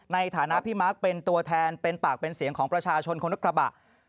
ในฐานะพี่มาร์คเป็นตัวแทนเป็นปากเป็นเสียงของประชาชนคนรถกระบะ